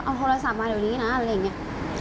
เอาโทรศัพท์มาเดี๋ยวนี้นะอะไรอย่างนี้